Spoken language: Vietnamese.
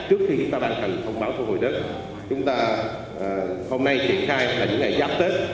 trước khi chúng ta đang cần thông báo cho hội đất chúng ta hôm nay triển khai là những ngày giáp tết